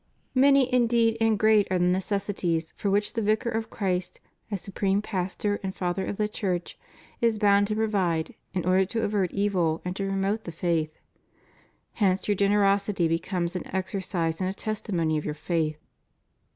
Many indeed and great are the necessities for which the Vicar of Christ as supreme Pastor and Father of the Church is bound to provide in order to avert evil and to promote the faith. Hence your generosity becomes an exercise and a testimony of your faith.